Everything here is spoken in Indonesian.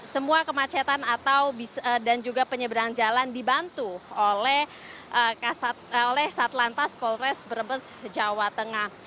semua kemacetan dan juga penyeberang jalan dibantu oleh satlantas polres brebes jawa tengah